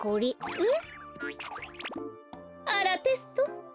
えっ！